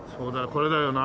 これだよな。